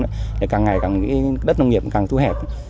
người càng ngày càng đất nông nghiệp càng thu hẹp